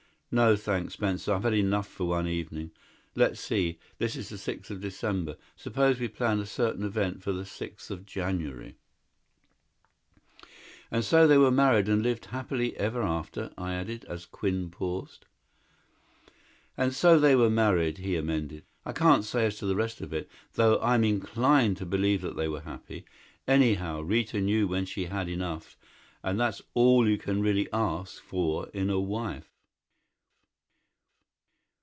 "No, thanks, Spencer. I've had enough for one evening. Let's see. This is the sixth of December. Suppose we plan a certain event for the sixth of January?" "And so they were married and lived happily ever after?" I added, as Quinn paused. "And so they were married," he amended. "I can't say as to the rest of it though I'm inclined to believe that they were happy. Anyhow, Rita knew when she had enough and that's all you can really ask for in a wife."